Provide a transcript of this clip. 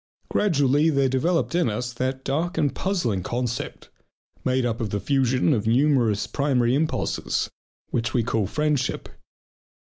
Gradually there developed in us that dark and puzzling concept, made up of the fusion of numerous primary impulses, which we call "friendship."